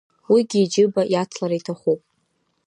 Уигьы иџьыба иацлар иҭахуп.